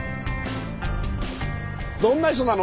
どんな人なの？